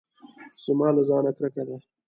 زما له ځانه کرکه ده .